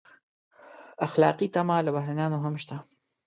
اخلاقي تمه له بهرنیانو هم شته.